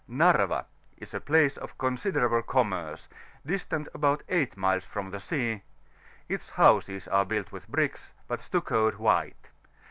HA&TA is a place of considerable commerce, distant about 8 miles from the sea; its houses are built with bricks, but stuccoed white.